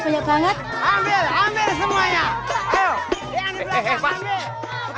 ayo diantep lah